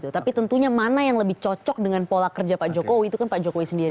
tapi tentunya mana yang lebih cocok dengan pola kerja pak jokowi itu kan pak jokowi sendiri